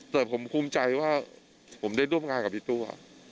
แต่ผมภูมิใจว่าผมได้ร่วมงานกับพี่ตัว